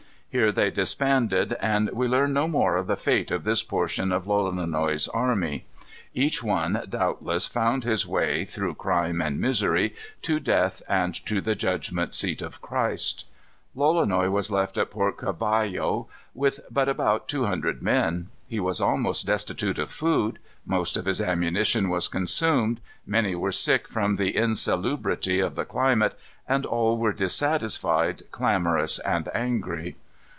Here they disbanded, and we learn no more of the fate of this portion of Lolonois's army. Each one, doubtless, found his way, through crime and misery, to death and to the judgment seat of Christ. Lolonois was left at Port Cavallo, with but about two hundred men. He was almost destitute of food; most of his ammunition was consumed; many were sick from the insalubrity of the climate, and all were dissatisfied, clamorous, and angry.